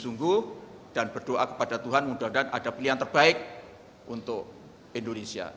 sungguh dan berdoa kepada tuhan mudah mudahan ada pilihan terbaik untuk indonesia